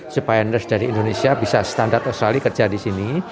supaya endorse dari indonesia bisa standar australia kerja di sini